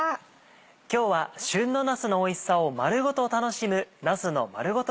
今日は旬のなすのおいしさを丸ごと楽しむ「なすの丸ごと